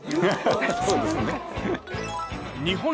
そうですね。